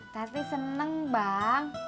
tadi seneng bang